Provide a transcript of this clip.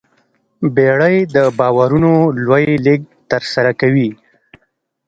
بیړۍ د بارونو لوی لېږد ترسره کوي.